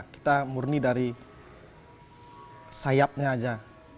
kita murni dari sayapnya aja